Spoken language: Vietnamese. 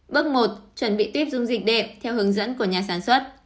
bước một chuẩn bị tiếp dung dịch đệm theo hướng dẫn của nhà sản xuất